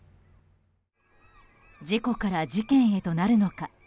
事故から事件へとなるのか。